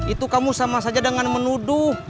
itu kamu sama saja dengan menuduh